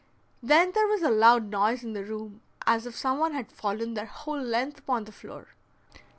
Then there was a loud noise in the room as if some one had fallen their whole length upon the floor.